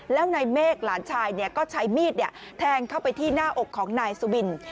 แล้วนายเมฆหลานชายก็ใช้มีดแทงเข้าไปที่หน้าอกของนายสุบิน